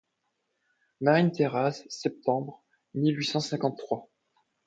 Marine-Terrace, septembre mille huit cent cinquante-trois.